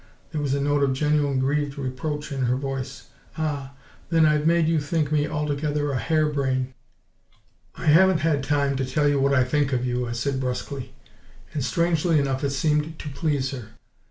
There was a note of genuine grieved reproach in her voice. "Ah, then I've made you think me altogether a hare brain!" "I haven't time to tell you what I think of you," I said brusquely, and, strangely enough, it seemed to please her.